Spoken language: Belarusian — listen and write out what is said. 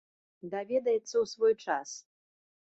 Даведаецца ў свой час.